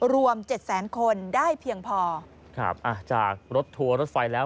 รวมเจ็ดแสนคนได้เพียงพอครับอ่ะจากรถทัวร์รถไฟแล้ว